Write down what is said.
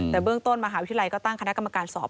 แต่เบื้องต้นมหาวิทยาลัยก็ตั้งคณะกรรมการสอบ